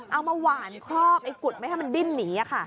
เอามาหวานครอบไอ้กุดไม่ให้มันดิ้นหนี